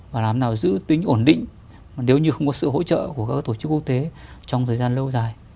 và làm nào giữ tính ổn định nếu như không có sự hỗ trợ của các tổ chức quốc tế trong thời gian lâu dài